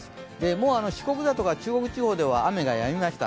もう、四国だとか中国地方では雨がやみました。